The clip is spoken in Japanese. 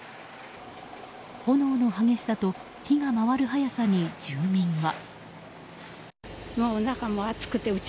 炎の激しさと火が回る早さに住民は。